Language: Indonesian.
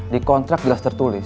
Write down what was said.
di kontrak jelas tertulis